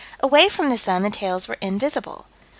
Away from the sun the tails were invisible.